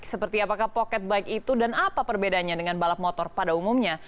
seperti apakah pocket bike itu dan apa perbedaannya dengan balap motor pada umumnya